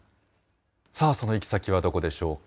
さあ、その行き先はどこでしょうか。